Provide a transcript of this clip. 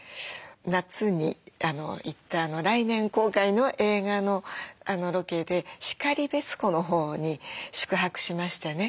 夏に行った来年公開の映画のロケで然別湖のほうに宿泊しましてね。